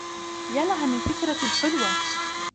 يا لها من فكرة حلوة!